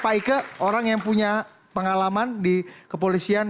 pak ike orang yang punya pengalaman di kepolisian